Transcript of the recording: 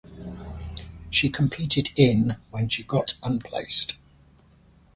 She competed in when she got unplaced.